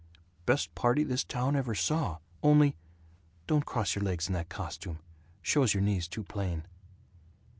"Best party this town ever saw. Only Don't cross your legs in that costume. Shows your knees too plain."